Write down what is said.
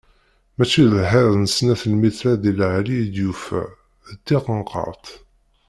Mačči d lḥiḍ n snat lmitrat di leɛli i d-yufa, d tiqenṭert!